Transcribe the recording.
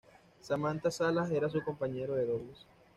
Samantha Salas era su compañero de dobles.